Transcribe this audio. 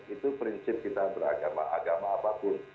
itu prinsip kita beragama agama apapun